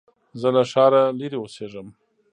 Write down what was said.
زه له ښاره لرې اوسېږم